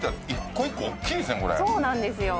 そうなんですよ。